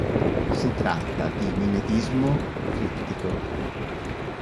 Si tratta di mimetismo criptico.